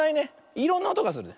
いろんなおとがするね。